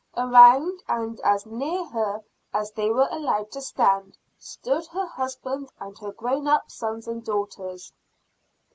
Around, and as near her as they were allowed to stand, stood her husband and her grown up sons and daughters.